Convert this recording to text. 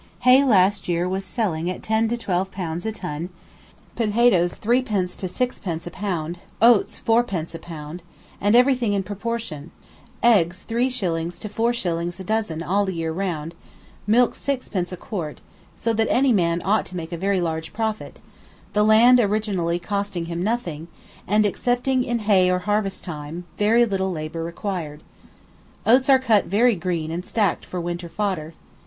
Hay last year was selling at 10 to 12 pounds a ton, potatoes 3d. to 6d. a lb., oats 4d. a lb., and everything in proportion; eggs 3s. to 4s. a dozen all the year round, milk 6d. a quart; so that any man ought to make a very large profit, the land originally costing him nothing, and, excepting in hay or harvest time, very little labour required. Oats are cut very green and stacked for winter fodder.